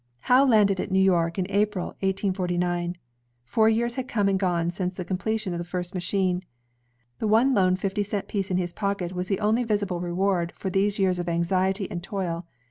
Howe landed at New York in April, 1849. Four years had come and gone since the completion of the first ma chine. The one lone fifty cent piece in his pocket was the only visible reward for these years of anxiety and toil.